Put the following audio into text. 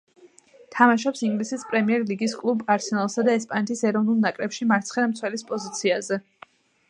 თამაშობს ინგლისის პრემიერ ლიგის კლუბ „არსენალსა“ და ესპანეთის ეროვნულ ნაკრებში მარცხენა მცველის პოზიციაზე.